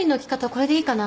これでいいかな？